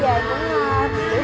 chứ lễ lọc là nhiều hơn